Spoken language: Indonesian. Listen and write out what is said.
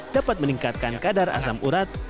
dapat meningkatkan kadar asam urat